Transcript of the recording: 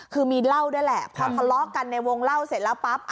คือมีเหล้าด้วยแหละพอทะเลาะกันในวงเล่าเสร็จแล้วปั๊บ